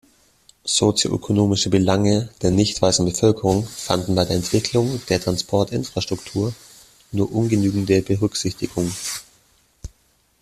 Sozioökonomische Belange der „nichtweißen“ Bevölkerung fanden bei der Entwicklung der Transportinfrastruktur nur ungenügende Berücksichtigung.